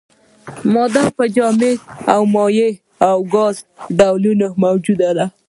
ماده په جامد، مایع او ګاز ډولونو موجوده ده.